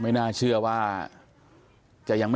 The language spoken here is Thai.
มีภาพวงจรปิดอีกมุมหนึ่งของตอนที่เกิดเหตุนะฮะ